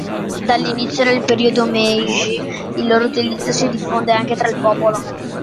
Dall'inizio del periodo Meiji, il loro utilizzo si diffonde anche tra il popolo.